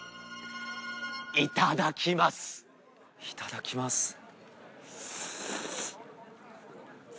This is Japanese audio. いただきます。